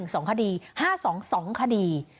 ๕๑สองคดี๕๒สองคดี